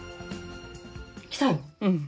来たよ！